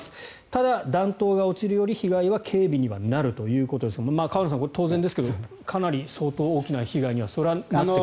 ただ、弾頭が落ちるより被害は軽微になるということですが河野さん、当然ですがかなり相当、大きな被害にはそれはなってくると。